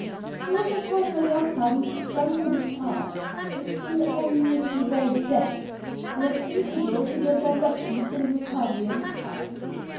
He was occasionally occupied in thrumming a guitar, and seemed ennuye to the very death, as at intervals he gave directions for the recovery of his child.